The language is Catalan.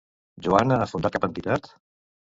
Joana ha fundat cap entitat?